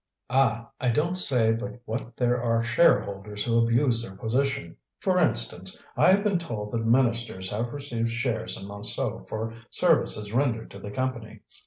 "Ah! I don't say but what there are shareholders who abuse their position. For instance, I have been told that ministers have received shares in Montsou for services rendered to the Company.